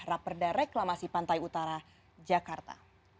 raperda reklamasi pantai utara jakarta